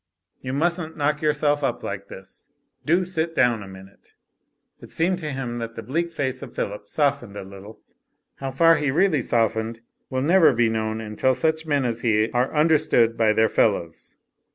You mustn't knock yourself up like this. Do sit down a minute." It seemed to him that the bleak face of Phillip softened a little ; how far he really softened will never be known until such men as he are understood by their fellows.